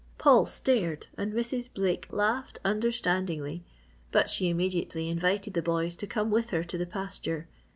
Paul stared and Mrs. Blake laughed understandingly but she immediately invited the boys to come with her to the pasture.